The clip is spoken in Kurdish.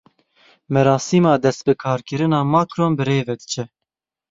Merasîma dest bi karkirina Makron birêve diçe.